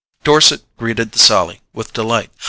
Dorset greeted the sally with delight.